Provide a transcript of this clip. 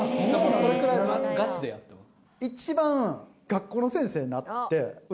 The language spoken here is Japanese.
それくらいガチでやってます